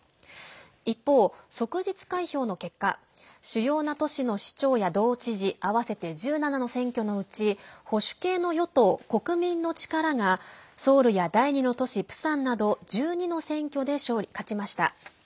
一方、即日開票の結果主要な都市の市長や道知事合わせて１７の選挙のうち保守系の与党、国民の力がソウルや第二の都市プサンなど１２の選挙で勝ちました。